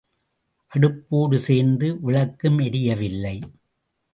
அடுப்போடு சேர்ந்து விளக்கும் எரியவில்லை.